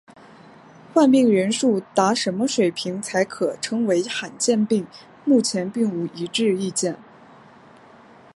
患病人数达什么水平才可称为罕见病目前并无一致意见。